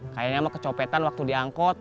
kayanya sama kecopetan waktu diangkut